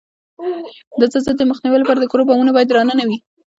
د زلزلې د مخنیوي لپاره د کورو بامونه باید درانه نه وي؟